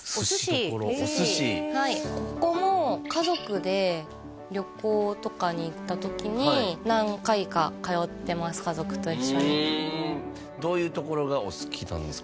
ここも家族で旅行とかに行った時に何回か通ってます家族と一緒にふんどういうところがお好きなんですか？